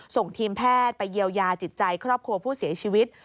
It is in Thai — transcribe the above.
ส่งทีมแพทย์ไปเยียวยาจิตใจครอบครัวผู้เสียชีวิต